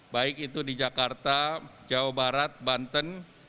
baik itu di jakarta jawa barat banten